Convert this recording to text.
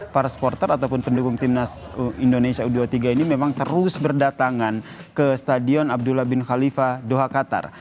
para supporter ataupun pendukung timnas indonesia u dua puluh tiga ini memang terus berdatangan ke stadion abdullah bin khalifa doha qatar